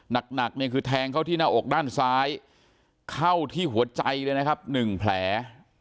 หนักเนี่ยคือแทงเข้าที่หน้าอกด้านซ้ายเข้าที่หัวใจเลยนะครับ๑แผล